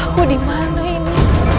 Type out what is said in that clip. aku dimana ini